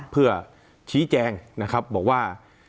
เพื่อชี้แจงบอกว่า